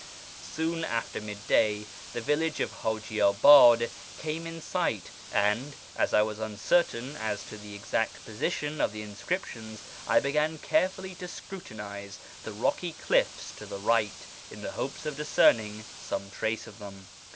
Soon after mid day the village of Hajitlbad came in sight, and, as I was uncertain as to the exact position of the inscriptions, I began carefully to scrutinise the rocky cliffs to the right, in the hopes of discerning some trace of them.